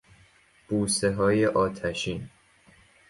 بوسههای آتشین